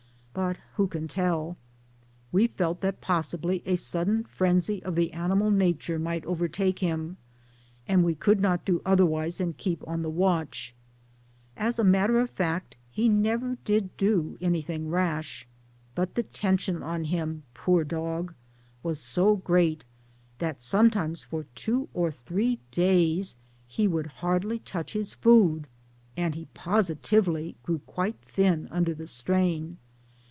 But who can tell? We felt that possibly a sudden frenzy of the animal nature might overtake him ; and we could not do otherwise than keep on the watch. As a matter of fact he never did do anything rash ; but the tension on him, poor dog, was so great that sometimes for two or three days he would hardly touch his food, and he positively grew quite thin MILLTHORPE AND HOUSEHOLD LIFE 155 under the strain.